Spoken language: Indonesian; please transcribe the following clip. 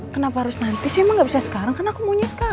kenapa harus nanti saya emang gak bisa sekarang karena aku munyi sekarang